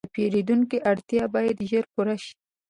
د پیرودونکي اړتیا باید ژر پوره شي.